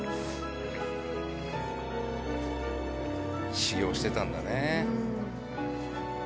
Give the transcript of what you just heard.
修業してたんだね。